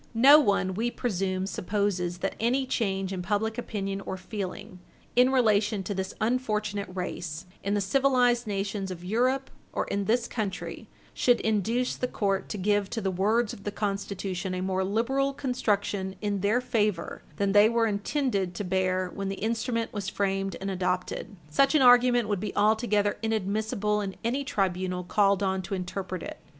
No one, we presume, supposes that any change in public opinion or feeling, in relation to this unfortunate race, in the civilized nations of Europe or in this country, should induce the court to give to the words of the Constitution a more liberal construction in their favor than they were intended to bear when the instrument was framed and adopted. Such an argument would be altogether inadmissible in any tribunal called on to interpret it.